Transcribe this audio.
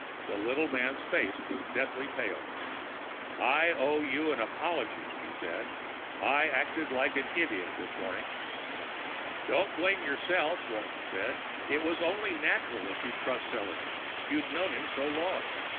The little man's face was deadly pale. "I owe you an apology," he said. "I acted like an idiot this morning." "Don't blame yourself," Walton said. "It was only natural that you'd trust Sellors; you'd known him so long.